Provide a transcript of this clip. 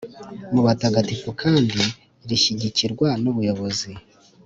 mu batagatifu kandi rishyigikirwa n’ubuyobozi